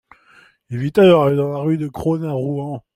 Il vit alors au rue de Crosne à Rouen.